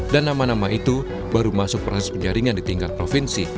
dan nama nama itu baru masuk proses penjaringan di tingkat provinsi